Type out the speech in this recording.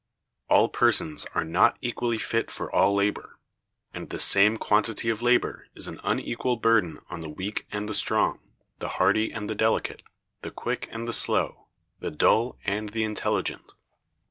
All persons are not equally fit for all labor; and the same quantity of labor is an unequal burden on the weak and the strong, the hardy and the delicate, the quick and the slow, the dull and the intelligent.